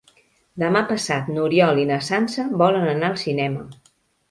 Demà passat n'Oriol i na Sança volen anar al cinema.